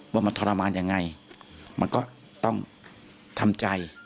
ว่ามันทรมานยังไงมันก็ต้องทำใจ